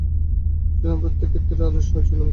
সুতরাং প্রত্যেক ক্ষেত্রেই আদর্শ ছিল মুক্তি।